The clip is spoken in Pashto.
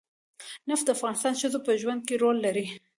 نفت د افغان ښځو په ژوند کې رول لري.